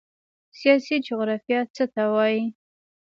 سیاسي جغرافیه څه ته وایي؟